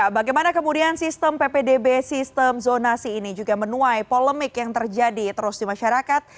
bagaimana kemudian sistem ppdb sistem zonasi ini juga menuai polemik yang terjadi terus di masyarakat